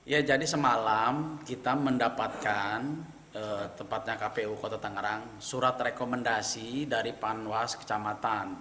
ya jadi semalam kita mendapatkan tepatnya kpu kota tangerang surat rekomendasi dari panwas kecamatan